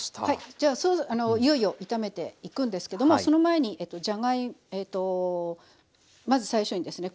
じゃあいよいよ炒めていくんですけどもその前にえっとじゃがえっとまず最初にですね